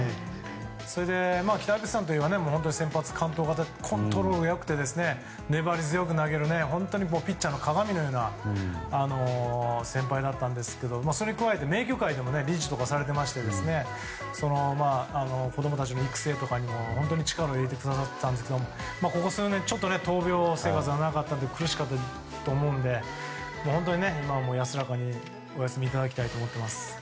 北別府さんといえば本当に先発完投型コントロールが良くて粘り強く投げるピッチャーの鑑のような先輩だったんですがそれに加えて名球会でも理事をされていて子供たちの育成とかにも力を入れてくださったんですけどここ数年ちょっと闘病生活が長くて苦しかったと思うので本当に安らかにお休みいただきたいと思っています。